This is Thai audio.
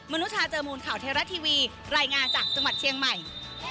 นุชาเจอมูลข่าวเทราะทีวีรายงานจากจังหวัดเชียงใหม่